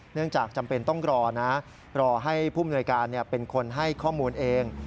จากจำเป็นต้องรอนะรอให้ผู้มนวยการเป็นคนให้ข้อมูลเอง